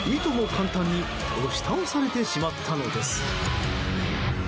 簡単に押し倒されてしまったのです。